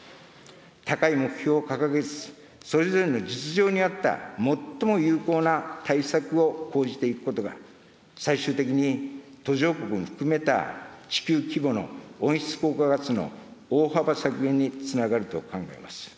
高い目標を掲げつつ、それぞれの実情に合った最も有効な対策を講じていくことが、最終的に途上国も含めた地球規模の温室効果ガスの大幅削減につながると考えます。